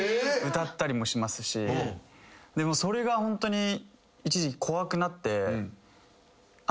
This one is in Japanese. それがホントに一時期怖くなって。